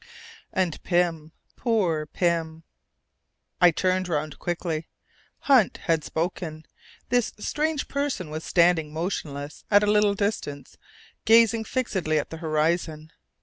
"And Pym poor Pym?" I turned round quickly. Hunt had spoken. This strange person was standing motionless at a little distance, gazing fixedly at the horizon.